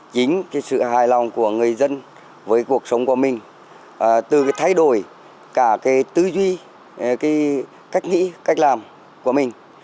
chính cái sự hài lòng của người dân với cuộc sống của mình từ cái thay đổi cả tư duy cái cách nghĩ cách làm của mình